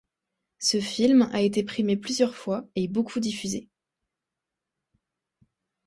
Ce film a été primé plusieurs fois et beaucoup diffusé.